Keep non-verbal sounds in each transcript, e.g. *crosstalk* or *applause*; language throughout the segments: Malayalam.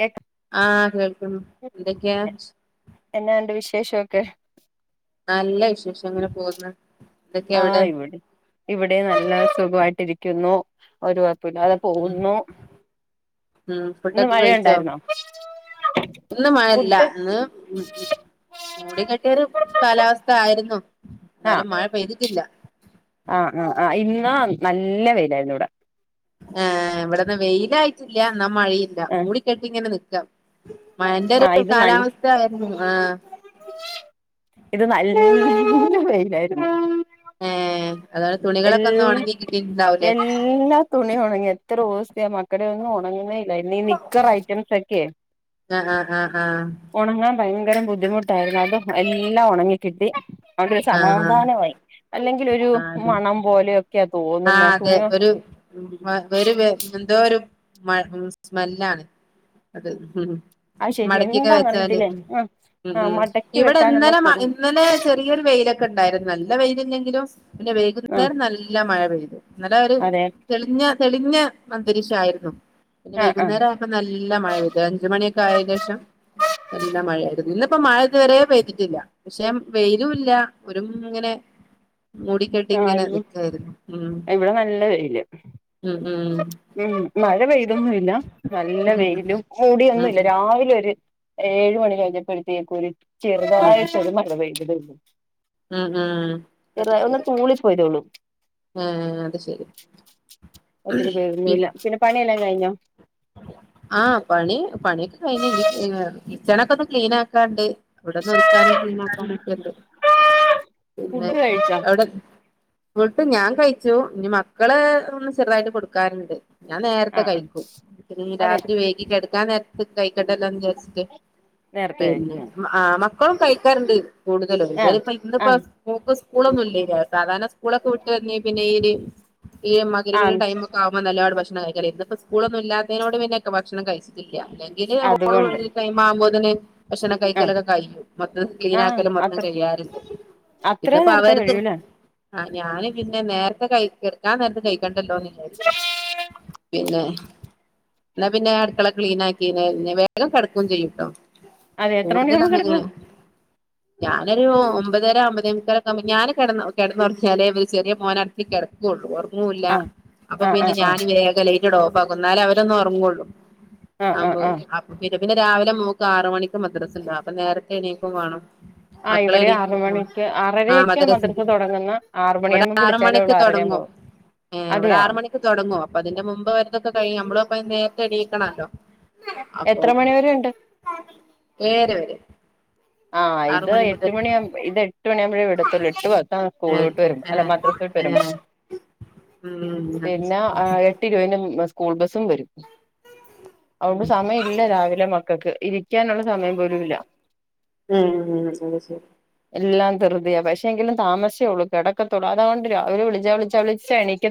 കേക്ക ആഹ് കേൾക്കും എന്തൊക്കെയാ എന്നാണ്ട് വിശേഷമൊക്കെ നല്ല വിശേഷം അങ്ങനെ പോവ്ന്ന് ആഹ് ഇവിടെ ഇവടെ നല്ല സുഖവായിട്ടിരിക്കുന്നു കൊഴപ്പില്ലാതെ ഉം പോകുന്നു ഉം ഇന്ന് ഫുഡൊക്കെ കഴിച്ചോ മഴയുണ്ടാരുന്നോ ഇന്ന് മഴില്ല ഇന്ന് മൂടികെട്ടിയൊരു കാലാവസ്ഥ ആയിരുന്നു ആഹ് എന്നാലും മഴ പെയ്തിട്ടില്ല ആഹ് ആഹ് ഇന്നാ നല്ല വെയിലായിരുന്നിവിടെ ത്തില്ല എന്ന മഴേല്ല ആഹ് മൂടിക്കെട്ടി ഇങ്ങനെ നിക്കാ ആഹ് മഴേന്റൊരു ഇത് ന കാലാവസ്ഥ ഉം ആഹ് ഇത് നല്ല വെയിലാരുന്നു ആഹ് എല്ലാ എല്ലാ തുണി ഒണങ്ങി എത്രൂസ്തയ മക്ക- മക്കടെയൊന്നും ഒണങ്ങുന്നേല്ല ഇ നിക്കർ ഐറ്റംസൊക്കെ ആഹ് ആഹ് ആഹ് ഭയങ്കരം ബുദ്ധിമുട്ടാരുന്നു അത് എല്ലാം ഒണങ്ങി കിട്ടി ആഹ് അതസമാധാനവായി അല്ലെങ്കിലൊരു മണം പോലെയൊക്കെ - ആ അതെ ഒരു വെ ഒരു വെ എന്തോ ഒരു മ സ്മെല്ലാണ് അത് അത് ശരി മടക്കിയൊക്കെ എന്താന്ന് വെച്ചാല് അറിയത്തില്ലേ ഉം ആ ആ ഉം മടക്കി ഇവിടെ വെക്കാനുള്ള ഇന്നലെ തൂ ഇന്നലെ ചെറിയൊരു വെയിലൊക്കെണ്ടായിരുന്നു നല്ല വെയ്ലില- ങ്കിലും പിന്നെ ആ വൈകുന്നേരം നല്ല മഴ പെയ്തു നല്ല ഒരു അതെ തെളിഞ്ഞ തെളിഞ്ഞ അന്തരീഷായിരുന്നു പിന്നെ ആ ആ വൈകുന്നേരം ആയപോനല്ല മഴ പെയ്തു അഞ്ചുമണിയൊക്കെ ആയേ ശേഷം നല്ല മഴായിരുന്നു ഇന്നിപ്പോ മഴ ഇതു വരെ പെയ്തിട്ടില്ല പക്ഷെ വെയ്ലുല്ല ഒരു ഇങ്ങനെ മുടി കെട്ടിങ്ങനത് ഇവടെ നല്ല വെയില് ഉം ഉം ഉം മഴ പെയ്തൊന്നില്ല നല്ല ഉം വെയ്ലും ഉം മൂടിയൊന്നുല്ല രാവിലെ ഏ ഏഴ് മണി കഴിഞ്ഞപ്പോഴത്തേക്കും ഒരു ചെറുതായിട്ടൊരു മഴ *unintelligible* ഉ ഉം അത് ചെറുതായി ഒന്ന് ശെരി തൂളിപ്പോയതേ ഉള്ളൂ ആ അത് ശരി ഒത്തിരി പി പേരൊന്നുല്ല പിന്നെ പണിയെല്ലാം കഴിഞ്ഞോ ആ പണി പണിയൊക്കെ കഴിഞ്ഞ് ഇനി കിച്ചണൊക്കെ ഒന്ന് ക്ലീനാക്കാണ്ട് ഇവിടൊന്ന് ഒതുക്കാനും ക്ലീനാക്കാനും ഒക്കെ ഇണ്ട് പിന്നെ ഫുഡ് കഴിച്ചോ എവടെ ഫുഡ്‌ ഞാൻ കഴിച്ചു ഇനി മക്കള് ഒന്ന് ചെറുതായിട്ട് കൊടുക്കാന്ണ്ട് ഞാൻ ആ നേരത്തെ ആ കഴിക്കും പിന്നെ ഇനി അതെ രാത് ത്രി കെടക്കാൻ നേരത്ത് കൈകണ്ടല്ലോ വിചാരിച്ചിട്ട് നേരത്തെ പിന്നെ കഴിക്കും ആ മ *unintelligible* കഴിക്കാറുണ്ട് കൂടുതലും ആ ഇവടപ്പോ ആ ഇന്നിപ്പോ *unintelligible* സ്കൂളൊന്നും ഇല്ലല്ലോ സാധാരണ സ്കൂളൊക്കെ വിട്ട് വന്ന പിന്നെ ഈര് ഈ ആ മകരപടിടെ ടൈമൊക്കെ ആവ്മ്പ നല്ല പോലെ ഭക്ഷണം കഴിക്കും ഇന്നിപ്പ സ്കൂളൊന്നും ഇല്ലാത്തതിനോട് പിന്നൊക്കെ ഭക്ഷണം കഴിച്ചിട്ടില്ല ല്ല അല്ലെങ്കില് ഓള് അതുകൊണ്ട് പള്ളി ടൈമാവുബോ തന്നെ ഭക്ഷണം ആ കഴിക്കലൊക്കെ കഴിഞ്ഞു മൊത്തം ക്ലീൻ ആ ആക്കലും മൊത്തം അത്ര കഴ്യറുണ്ട് അത്ര നേരത്തെ കഴിയൂലെ ആ ഞാന് പിന്നെ നേരത്തെ കൈയ് കെടക്കാൻ നേരത്ത് കൈകണ്ടല്ലോന്ന് വിചാരിക്കും പിന്നെ എന്നാ പിന്നെ അടുക്കള ക്ലീൻ ആക്ക്യായ്ഞ്ഞ വേഗം കെടക്കും ചെയും ട്ടോ അതെ എത്ര മണിയാവുമ്പോ കൂടുതലങ്ങനെ കിടക്കും ഞാനൊരു ഒമ്പതര ഒൻപതെമുക്കാലൊക്കെ ആകുമ്പോ ഞാന് കെടന്ന കെടന്നുറച്ചാലേ ചെറിയ മോൻ അടുത് കെട ക്കുള്ളു ഒറങ്ങൂല ആ അപ്പൊ ആ ആ പിന്നെ ആ ഞാന് വേഗം ലൈറ്റാങ്കട്‌ ഓഫാക്കും എന്നാലേ അവനൊന്ന് ഒറ ങ്ങോള്ളൂ ആ ആ ആമ്പോ ആ അപ്പൊ പിന്നെ പിന്നെ രാവിലെ മോക്ക് ആറ് മണിക്ക് മദ്രസണ്ട് അപ്പൊ നേരത്തെ എണീക്കും വേണം ആ മക്കളെ ഇവിടെ എണീക്കും ആറുമണിക്ക് ആ ആറരക്ക മദ്രസ് മദ്രസ തൊടങ്ങ്ന്നേ ആറ് ഇവിടെ മണിയാവ്മ്പം ആറ് വിളിച്ചാലും മണിക്ക് അവള് ആറര *unintelligible* തുടങ്ങും പോവും ഏ ഇവടെ ആറ് മണിക്ക് തൊടങ്ങും അപ്പ അതിന്റെ മുമ്പ് വരതൊക്കെ കഴിയും നമ്മള് അപ്പൊ നേരത്തെ എണീക്കാനല്ലോ അപ്പൊ എത്ര മണിവരെ ഉണ്ട് ഏഴര വരെ ആഹ് ആറ് ഇത് മണി മുതൽ എട്ട്മണി ആവുബോ എട്ട് മണി ആവു മ്പഴേ വിടത്തുള്ളൂ എട്ട് പത്താവും സ്കൂൾവിട്ട് വരുമ്പോ അല്ല മദ്രസ്സ വിട്ട് വരുമ്പോ ഏഹ് പിന്നെ എട്ട് ഇരുപതിന് സ്കൂൾ ബസ്സും വരും അതോണ്ട് ഉം സമയല്ല രാവിലെ മക്കക്ക് ഇരിക്കാന്ള്ള സമയം പോലുംല്ല ഉം ശെരി ശെരി എല്ലാം വെറുതാ പക്ഷെങ്കിലും താമസിച്ചേള്ളൂ കെടക്കത്തുള്ളൂ അതോണ്ട് രാവിലെ വിളിച്ചാ വിളിച്ച വിളിച്ചാ എനിക്ക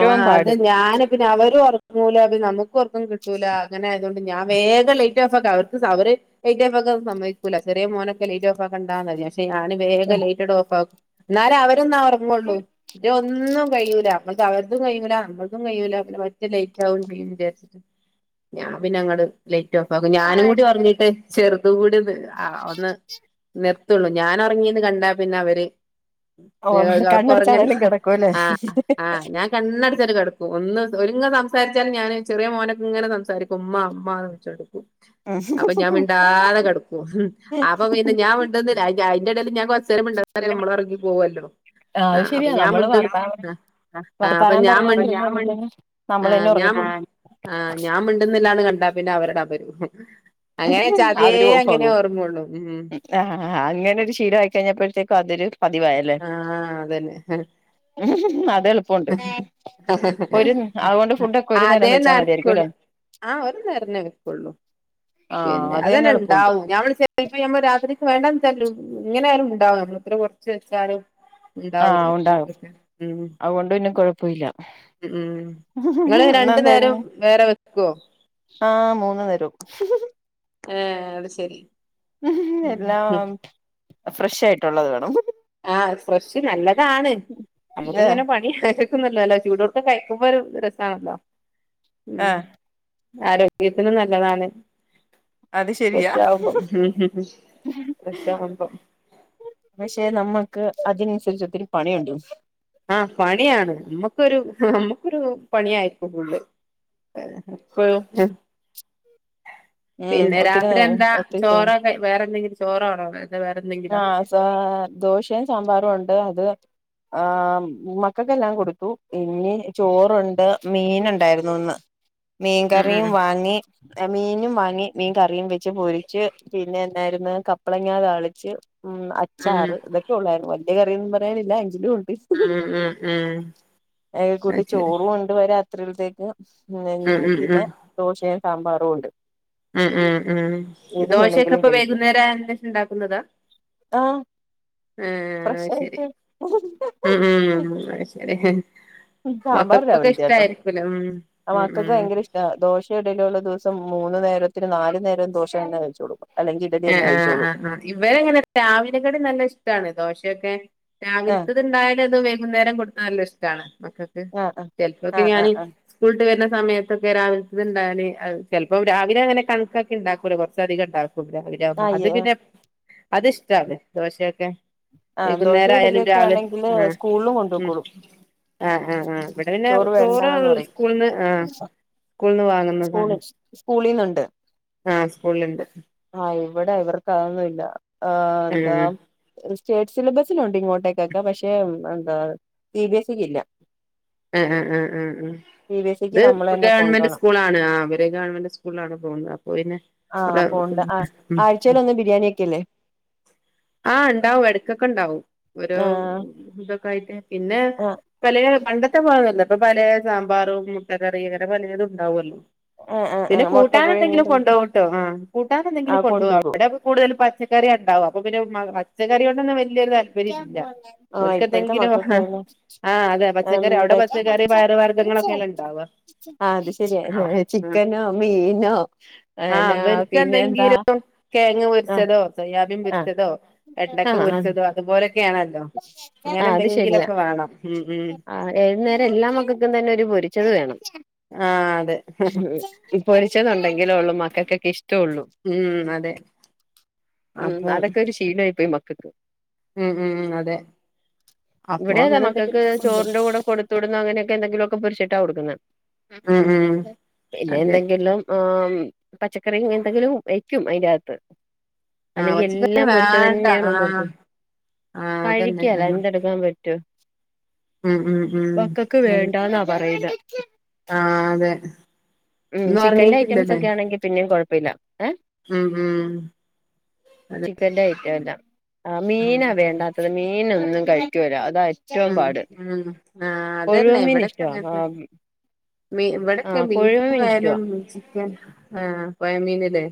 ആ അത് ഞാന് പിന്നെ അവര് പറഞ്ഞു കുല്ലാതെ നമ്മുകൊറക്കം കിട്ടൂല അങ്ങനായതുകൊണ്ട് ഞാൻ വേഗം ലൈറ്റ് ഓഫാക്കാ അവര്ക്ക്‌ സ അവര് ലൈറ്റ് ഓഫാക്കാൻ സമ്മതികൂല ചെറിയ മോനൊക്കെ ലൈറ്റൊഫാക്കണ്ട ന്നാ *unintelligible* ട്ടെ ഞാന് വേഗം ഉം ലൈറ്റങ്കട് ഓഫ് ആക്കും എന്നാലേ അവരൊന്ന് ഒറങ്ങുള്ളൂ ഇത് ഒന്നും കഴിയൂല അവര്തും കഴിയിൂല അമ്മളതും കഴിയൂല പിന്നെ മറ്റേ ലൈറ്റ് ആവും വിചാരിച്ചിട്ട് ഞാൻ പിന്നെ അങ്ങട് ലേ *unintelligible* ഞാനും കൂടി ഒറങ്ങീട്ട് ചെറുതും കൂടി ഒന്ന് ആ ഒന്ന് നിർ ത്തുള്ളൂ ഞാൻ ഒറങ്ങീന്ന് കണ്ടാ പിന്നെ അവര് ഓ കണ്ണടചാണേലും കെടകൂല്ലേ ആ ഞാൻ കണ്ണടച്ചാണ്ട് കെടക്കും ഒന്ന് ഒന്ന് സംസാരിച്ചാലും ഞാന് ചെറിയ മോനൊക്കെ ഇങ്ങനെ സംസാരിക്കും ഉമ്മ ഉമ്മ *unintelligible* അപ്പൊ ഞാൻ മിണ്ടാതെ കെടക്കും അപ്പൊ പിന്നെ ഞാൻ മിണ്ടുന്നില്ല അയ്ന്റെ അയ്ന്റെടേല് ഞാൻ കൊറച്ച് *unintelligible* നമ്മള് ഒറങ്ങി പോകല്ലോ ആഹ് ആ അത് അപ്പൊ ശരിയാ ഞാൻ നമ്മള് മിണ്ട് വർത്താനം ആ ആ് അപ്പം വർത്താനം ഞാൻ മിണ്ട് പറയാതിരുന്നിരുന്നെങ്കി നമ്മളന്നെ ഞാൻ ഉറങ്ങിപ്പോകും ആ ഞാൻ മിണ്ടുന്നില്ലന്ന് കണ്ടാ അവരുടെ അപരൂം അവര് പോകും ഉം ആ അങ്ങനെരു ശീല ആയിക്കഴിഞ്ഞപ്പോഴത്തേക്ക് കതിര് ആ ആ അതന്നെ ഉ അത എളുപ്പുണ്ട് അതേ വെച്ചാൽ മതിയായിരിക്കും നേർകുൾ അല്ലേ ആ ഒരു നേരനെ വെക്കുള്ളൂ ആഹ് പിന്നെ അത് തന്നെ അതന്നെ എളുപ്പമുണ്ട് ഉണ്ടാവും ഞമ്മള് *unintelligible* രാത്രി വേണ്ട ചല്ല ഇങ്ങനെ ആലും ഉണ്ടാവോ നമ്മള ഇത്ര കുറച്ച് വെച്ചാലും ആഹ് ഉണ്ടാവില്ല ഉണ്ടാകും ഉം അതുകൊണ്ട് പിന്നെ കുഴപ്പമില്ല ഉം നിങ്ങള് രണ്ട നേരം വേറെ വെക്കുവോ ആ മൂന്ന് നേരവും ഏ അത് ശരി ഉം എല്ലാം ഫ്രഷ ആയിട്ടുള്ളത് വേണം ആ ഫ്രഷ് നല്ലതാണ് നമുക്ക് ഏഹ് ഇങ്ങനെ പണിയ ന്നോല്ലോ ചൂടടുക്ക കഴിക്കുമ്പോ ഒരു രസാണല്ലോ ഉം ആഹ് ആരോഗ്യത്തിന് നല്ലതാണ് അത് ശരിയാ വിഷാവുമ്പം വിഷാവുമ്പം പക്ഷേ നമ്മുക്ക് അതിനനുസരിച്ച് ഒത്തിരി പണിയുണ്ട ആ പണിയാണ് നമ്മുക്കൊരു നമ്മുക്കരു പണിയായിരിക്ക കൂള് *inaudible* ഉം പിന്നെ ഒത്തിരി രാത്രി നേരം എന്താ ഒത്തിരി ചെ ചോറോക്കെ വേറെ എന്തെങ്കിലും ചോറോണോ ആ ദോശയും സാമ്പാറും ഉണ്ട് അത് ആ മക്കൾക്കെല്ലാം കൊടുത്തു ഇനി ചോറുണ്ട് മീൻ ഉണ്ടായിരുന്നുന്ന് *unintelligible* *inaudible* ഉം മീൻകറിയും ഉം വാങ്ങി മീനും വാങ്ങി മീൻകറിയും വെച്ച് പൊരിച്ച് പിന്നെ ണ്ടായിരുന്നു കപ്പളങ്ങ താളിച്ച് ഉം ഉം അച്ചാറ് ഇതൊക്കെ ഉള്ളായിരുന്നു വല്ലിയ കറിയൊന്നും പറയാനില്ല എങ്കിലും ഉണ്ട് ഉം ഉം ഉം കൂട്ടി അത് ശരി ചോറും കൊണ്ട് വരാ അത്രത്തേക്ക് ഉം ഉ ഉം പിന്നെ ഉം ദോശയും സാമ്പാറുണ്ട് ഉം ഉം ഉം ദോശയൊക്കെ വേണമെങ്കിലും ഇപ്പൊ കഴിക്കാം വൈകുന്നേര *unintelligible* ണ്ടാക്കുന്നതാ ആഹ് ആ ആ ഫ്രഷ് അത് ശെരി ആയിട്ട് ഉ ഉ അത് ശെരി സാമ്പാർ രാവില് ത്യാ ട്ടോ ഉം ആ ഉം മക്കൾക്ക് ഉം ഭയങ്കര ഇഷ്ട ദോശ *unintelligible* ദിവസം മൂന്ന് നേരത്തിന് നാല് നേരം ദോശ തന്നെ കഴിച്ചോളും അല്ലെങ്കിൽ ഇഡലി ആ തന്നെ ആ ആ കഴിച്ചോളും ആ ഇവരെങ്ങനെ രാവിലെ കടി നല്ല ഇഷ്ടാണ് ദോശയൊക്കെ ആഹ് രാവിലത്ത ഇത്ണ്ടായാല അത് വൈകുന്നേരം കൊടുത്ത നല്ല ഇഷ്ടമാണ് മക്കൾക്ക് ആഹ് ചിലപ്പോക്കെ ആഹ് ഞാൻ ആഹ് ആഹ് സ്കൂളിട്ട് വര സമയത്തൊക്കെ രാവിലത്ത ഇണ്ടയാൽ ചിലപ്പോ രാവിലെ അങ്ങനെ കണക്കക്കി ഉണ്ടാക്കൂല കുറച്ച അധികം ഉണ്ടാകും മ്മ അത് ആഹ് പിന്നെ അത് ഇഷ്ടാണ് ദോശയൊക്കെ ആഹ് ദോശയും വൈകുന്നേരയാലും ഇഡലിയൊക്കെ രാവിലെ ആണെങ്കില് ആഹ സ്കൂളിലും ഉം കൊണ്ടുപോക്കോളും ആഹ് ആഹ് ആഹ് ഇവിടെ പിന്നെ ചോറ് ചോറ വേണ്ടാന്ന് പറയും സ്കൂളന്ന് ആഹ സ്കൂളിന് വാങ്ങുന്നതാണ് സ്കൂളിന്ന് ഉണ്ട് ആ സ്കൂളിലിണ്ട് ഇവിടെ ഇവർക്ക് അതൊന്നുയില്ല ആ എന്താ ആഹ് സ്റ്റേറ്റ് സിലബസിലുണ്ട് ഇങ്ങോട്ടേക്കൊക്കെ പക്ഷെ എന്താ സി ബി എസ് സി ക്ക് ഇല്ല ആ ആ ആ ഉ സി ബി എസ് ഇക്ക് നമ്മള് ഇത് തന്നെ ഗവൺമെന്റ് കൊണ്ടോണം സ്കൂളാ ആണോ അവര് ഗവൺമെന്റ് സ്കൂളാണ് പോകുന്നത് അപ്പോ പിന്നെ അവിടെ ആഴ്ചയിൽ ഒന്ന് ബിരിയാണിയെക്കെയല്ലേ ആഹ് ഇണ്ടാവും ഇടക്കൊക്കെ ഇണ്ടാവും ഓരോ ആഹ് ഇതൊക്കെ ആയിട്ട് പിന്നെ ആഹ് പലേപണ്ടത്തെ പോലെ ഇപ്പൊ പല സാമ്പാറും മുട്ട കറി ഇങ്ങനെ പല ഇത് ഉണ്ടാവല്ലോ. ആഹ് ആഹ് പിന്നെ ആഹ് മുട്ട കൂട്ടാന എന്തെങ്കിലും പുഴുങ്ങിയതും കൊണ്ട് പോകട്ടോ. ആ കൂട്ടാന എന്തെങ്കിലും ആഹ് കൊണ്ടുപോ കൊണ്ടുപോകും അവിടെക്ക കൂടുതലും പച്ചക്ക കറി ഉണ്ടാവും, അപ്പ പിന്നെ പച്ചക്കറി ഒന്ന നക്കൊരു താല്പരില്ല. ആഹ് ഓൾക്‌ ഇപ്പോഴത്തെ എന്തെങ്കിലും മക്കൾക്ക് ആ അതെ പച്ചക്കറി അടെ എന്താ പച്ചകറി പയ വർഗ്ഗങ്ങളൊക്കെല്ലേ ഉണ്ടാവുക. ആ അത് ശരിയ ആഹ് ചിക്കനോ മീനോ ന്നാ പിന്നെ എന്താ തേങ്ങ പൊരിച്ചതോ സൊയാബിയം പൊരിച്ചതോ ആ വെണ്ടക്ക പൊരിച്ചതോ അത് ആ അത് ശരിയാ. വേണം ഉം ഉം ആ എഴുന്നേരം എല്ലാ മക്കൾക്കും തന്നെ ഒരു പൊരിച്ചത് വേണം. ആഹ് അതെ ഉ ഇ പൊരിച്ചെന്നണ്ടെങ്കിലോള്ളൂ മക്കൾക്കൊക്കെ ഇഷ്ടം. ഉം അതെ. ഉം അപ്പൊ അതൊക്കെ ഒരു ശീലമായി പോയി മക്കൾക്ക്. ഉം ഉം അതെ അപ്പൊ ഇവിടെ താ അങ്ങനെ മക്കൾക്ക് എന്തെങ്കിലുമൊക്കെ കൊണ്ടോവും ചോറിന്റെ കൂടെ കൊടുത്ത വിടുന്ന അങ്ങനെക്കെ *unintelligible* എന്തെങ്കിലും പൊരിച്ചിട്ട കൊടുക്കുന്നെ. ഉം ഉം പിന്നെ അതെ എന്തെങ്കിലും ഉ പച്ചക്കറി എന്തെങ്കിലും വയ്ക്കും, അതിന്റെകത്ത്. ആഹ് അല്ലെങ്കിൽ പച്ചക്കറി എല്ലാം പൊരിച്ച വേണ്ട ആഹ് തന്നെയണോന്നോർക്കും. ആഹ് അതന്നെ കഴിക്കേല നമ്മൾ എന്തെടുക്കാൻ പറ്റും. ഉം ഉം ഉം മക്കക്ക് വേണ്ടാന്നാ പറയക. ആ അതെ. ഉം ഇന്ന് ചിക്കന്റെ ഐറ്റംസ് ഒക്കെ ആണെങ്കിൽ പിന്നെയും കുഴപ്പമില്ല. ഏ മം മം. ചിക്കന്റെ ഐറ്റം എല്ലാം, ആ ഉം മീനാ വേണ്ടാത്തത് മീന രും കഴികേല അത ഉ ഉ ആഹ അതെന്നെ കൊഴുവമീൻ ഇവിടൊക്കെ ഇഷ്ടവാ ആ അങ്ങന മീ ആ ഇവിടെക്കെ ബീഫ കൊഴുവമീൻ ഇഷ്ടവാ ആലും ചിക്കൻ ആഹ പൊഴമീനീല്ലേ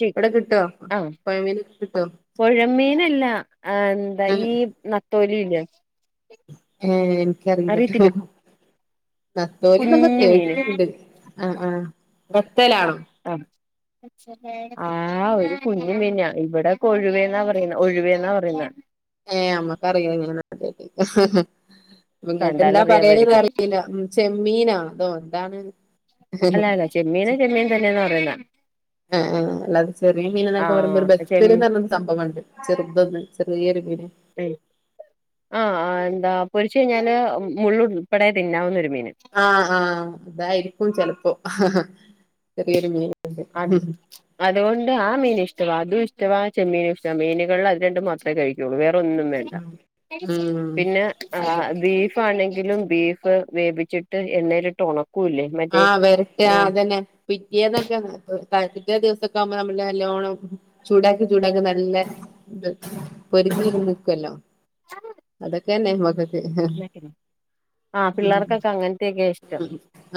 ചി ഇവിടെ കിട്ടുവ ആ പൊയമീന കിട്ടോ? കൊഴമീനല്ല ആ എന്താ ഈ നത്തോലില്ലേ? ഏ എനിക്കറിയില്ലട്ടോ, നത്തോലി എന്നൊക്കെ കുഞ്ഞു മീന് കേട്ടിട്ടുണ്ട്. ആ ആ ബത്തലാണോ ആ ആ ഒരു കുഞ്ഞു മീനാ. ഇവിടെ കൊഴുവേന്നാ പറയുന്നെ, ഒഴുവേന്നാ പറയുന്നെ. നിങ്ങട്ട എന്താ പറയാന കണ്ടാലറിയാമായിരിക്കും അറിയില്ല ചെമ്മീനാ അതോ എന്താണ്. ആഹ് അല്ലല്ല. ചെമ്മീന ചെമ്മിൻ തന്ന പറയുന്നേ. ആഹ അതെ ചെറിയ മീന് എന്നൊക്കെ പറയുമ്പോ ഒരു ആ ചെമ്മീൻ ബതുര്ന്ന പറഞ്ഞ സംഭവംണ്ട് ചെറുതൊന്ന് ചെറിയൊരു *inaudible* ആ എന്താ പൊരിച്ച കഴിഞ്ഞാല് മുള്ളു ഉൾപ്പെടെ തിന്നാവുന്നൊരുമീൻ. ആഹ ആഹ് അതായിരിക്കും ചിലപ്പോ ചെറിയൊരു മീൻ. അ അതുകൊണ്ട് ആ മീൻ ഇഷ് ഇഷ്ട അതും ഇഷ്ടവാ ചെമ്മീന ഇഷ്ടമാണ്. മീനുകളിൽ അത് രണ്ട് മാത്രമേ കഴിക്കു. വേറെ ഒന്നും വേണ്ട. ഉം പിന്നെ അതെ ബീഫ ആണെങ്കിലും ബീഫ് വേവിച്ചിട്ട് എണ്ണേലിട്ട് ഉണക്കും ആഹ വരട്ട അതന്നെ പിറ്റേനൊക്കെ തറ്റ ദിവസൊക്കെ ആവുമ്പോ നമ്മള് നല്ലോണം ചൂടാക്കി ചൂടാക്കി നല്ല പൊരി *unintelligible* ആഹ ഉം പിള്ളേർക്കൊക്കെ അങ്ങനത്തെയൊക്കെ ഇഷ്ടം.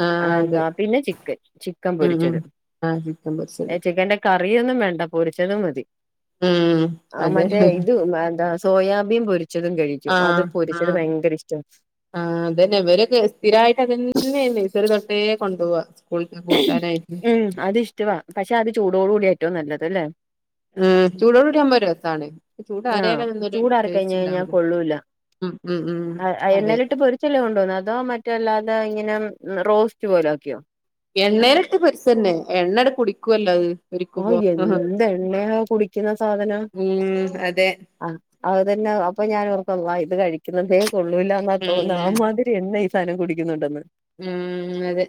ആ അതെ എന്താ പിന്നെ ചിക്കൻ ചിക്കൻ ഉം ഉം പൊരിച്ചത്. ആ ചിക്കൻ പൊരിച്ചത് ചിക്കന്റെ ക അറിയൊന്നും വേണ്ട പൊരിച്ചതും മതി. ഉം ആ അതെ മറ്റേ ഇത് എന്താ സോയാബീൻ പൊരിച്ചതും കഴിക്കും, ആ അത് പൊരി ആ ആ അതന്നെ ഇവരെ സ്ഥിരമായിട്ട് അതന്നേണ് പേ കൊണ്ടോവാ. മ് അതിഷ്ട്ടവാ പക്ഷെ അത് ചൂടോടു കൂട്യാ ഏറ്റവും നല്ലത് ല്ലേ മ് ചൂടോട്കൂടി ആവുമ്പത് രസാണ് ആ ചൂടാറിയാലതൊന്നും ഒരു ചൂടാറി കൈഞ്ഞ് ടേസ്റ്റ് ഉണ്ടാവൂല കയ്ഞ്ഞാകൊള്ളൂല ഉം ഉം ഉം അ അതെ എണ്ണലിട്ട് പൊരി ചല്ലേ കൊണ്ടുപോവുന്നേ അതോ മറ്റല്ലാതെ ഇങ്ങ പിന്നം റോസ്റ്റ് പോലാക്ക്യൊ എണ്ണയിലിട്ട് പൊരിച്ചന്നെ എണ്ണങ്ങട്ട് കുടിക്കുല്ലോ അത് ഓ പൊരിക്കുമ്പോ എന്തെണ്ണയാ കുടിക്കുന്നേ ആ സാധനം ഉം അതെ ആ അത് തന്നെ അപ്പ ഞാന് അപ്പ വ ഇത് കഴിക്കുന്നതേ കൊള്ളൂല്ല എന്നാ തോന്ന്ന്നേ ആമാതിരി എണ്ണ ഈ സാനം കുടിക്കുന്നുണ്ടെന്ന് മ് അതെ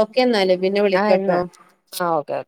ഓക്കെ ന്നാല് പിന്നെ ആഹ് വിളിക്കട്ടോ എന്നാ ആഹ് ഓക്കെ ഓക്കെ